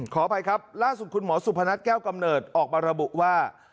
ขออภัยครับล่าสุดคุณหมอสุพนัทแก้วกำเนิดออกมาระบุว่า